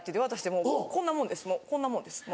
もうこんなもんですもう。